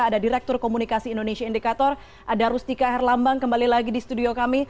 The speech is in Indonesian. ada direktur komunikasi indonesia indikator ada rustika herlambang kembali lagi di studio kami